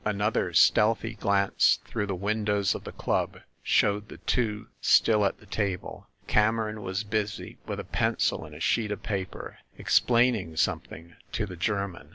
Another stealthy glance through the windows of the club showed the two still at the table. Cameron was busy with a pen cil and a sheet of paper, explaining something to the German.